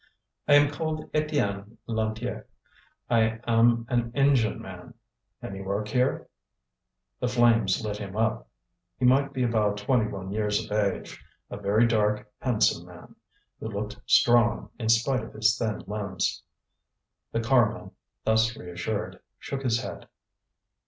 "I am called Étienne Lantier. I am an engine man. Any work here?" The flames lit him up. He might be about twenty one years of age, a very dark, handsome man, who looked strong in spite of his thin limbs. The carman, thus reassured, shook his head.